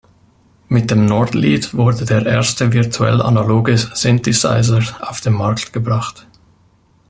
Mit dem Nord Lead wurde der erste virtuell analoge Synthesizer auf den Markt gebracht.